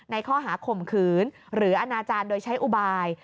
ข้อหาข่มขืนหรืออนาจารย์โดยใช้อุบาย